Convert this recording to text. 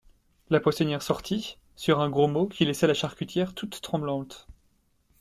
La poissonnière sortit, sur un gros mot qui laissa la charcutière toute tremblante.